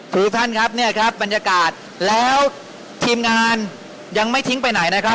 คือท่านครับเนี่ยครับบรรยากาศแล้วทีมงานยังไม่ทิ้งไปไหนนะครับ